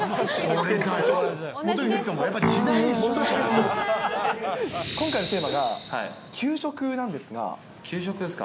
時今回のテーマが、給食なんで給食ですか？